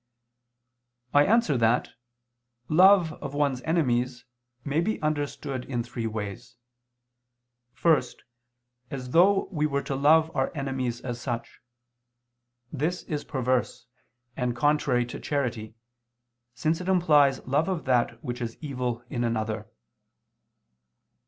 I answer that, Love of one's enemies may be understood in three ways. First, as though we were to love our enemies as such: this is perverse, and contrary to charity, since it implies love of that which is evil in another.